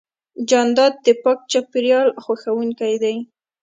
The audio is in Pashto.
جانداد د پاک چاپېریال خوښوونکی دی.